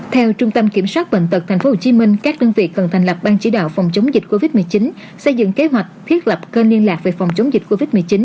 theo trung tâm kiểm soát bệnh tật tp hcm các đơn vị cần thành lập ban chỉ đạo phòng chống dịch covid một mươi chín xây dựng kế hoạch thiết lập kênh liên lạc về phòng chống dịch covid một mươi chín